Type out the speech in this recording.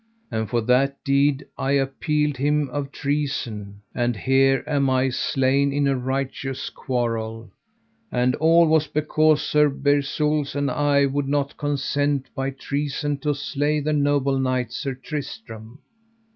And for that deed I appealed him of treason, and here am I slain in a righteous quarrel; and all was because Sir Bersules and I would not consent by treason to slay the noble knight, Sir Tristram.